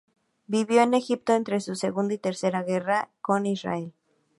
Vivió en Egipto entre sus segunda y tercera guerras con Israel.